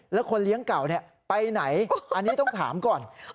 แล้วคนเลี้ยงเก่าไปไหนอันนี้ต้องถามก่อน